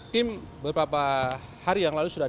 tim beberapa hari yang lalu sudah